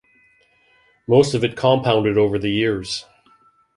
Most of it compounded over the years.